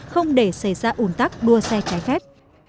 không để xảy ra ủn tắc đua xe trái phép